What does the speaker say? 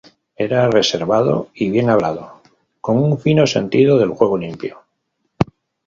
Era reservado y bien hablado, con un fino sentido del juego limpio.